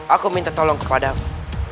aku minta tolong kepadamu